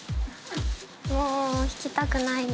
もう引きたくないな。